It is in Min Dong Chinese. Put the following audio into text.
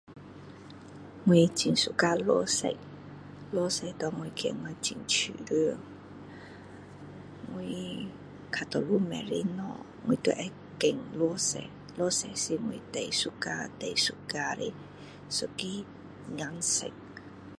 我很喜欢绿色绿色给我觉得很舒服我比较多买的东西我都会选绿色绿色是我最 suka 最 suka 的一个颜色